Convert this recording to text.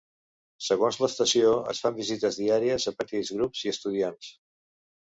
Segons l'estació, es fan visites diàries a petits grups i estudiants.